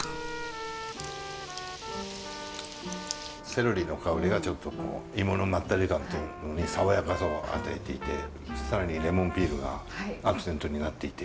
セロリの香りがちょっと芋のまったり感というのに爽やかさを与えていて更にレモンピールがアクセントになっていて。